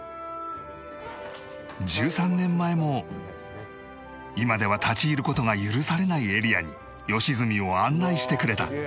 １３年前も今では立ち入る事が許されないエリアに良純を案内してくれた